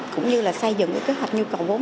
cũng như là xây dựng cái kế hoạch nhu cầu vốn